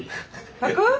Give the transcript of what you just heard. １００？